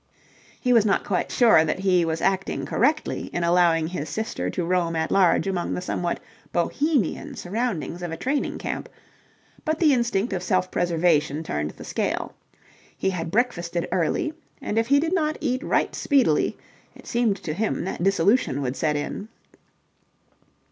He was not quite sure that he was acting correctly in allowing his sister to roam at large among the somewhat Bohemian surroundings of a training camp, but the instinct of self preservation turned the scale. He had breakfasted early, and if he did not eat right speedily it seemed to him that dissolution would set in.